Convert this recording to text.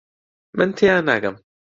من تێیان ناگەم.